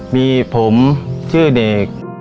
มีผมชื่อเด็ก